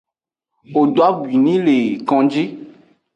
Wo do abwi ni le konji.